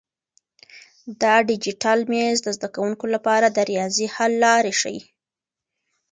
دا ډیجیټل مېز د زده کونکو لپاره د ریاضي حل لارې ښیي.